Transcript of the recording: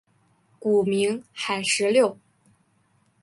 古名海石榴。